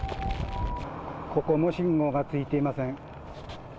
ここも信号がついていません。